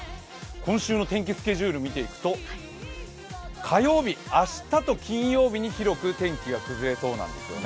今週の天気スケジュールを見ていくと火曜日、明日と金曜日に広く天気が崩れそうなんですよね。